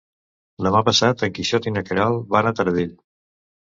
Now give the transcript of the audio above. Demà passat en Quixot i na Queralt van a Taradell.